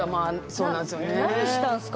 何したんすか？